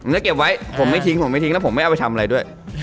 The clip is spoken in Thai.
มันจะเก็บไว้ผมไม่ทิ้งและผมไม่เอาไปทำอะไรด้วย